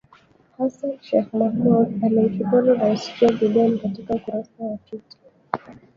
Hassan Sheikh Mohamud alimshukuru Rais Joe Biden katika ukurasa wa Twitter,